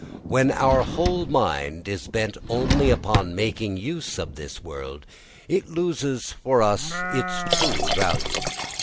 When our whole mind is bent only upon making use of this world it loses for us its true value.